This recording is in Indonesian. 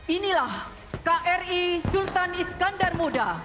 inilah kri sultan iskandar muda